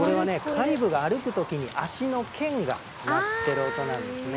カリブーが歩く時に足の腱が鳴ってる音なんですね。